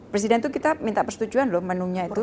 presiden itu kita minta persetujuan loh menu nya itu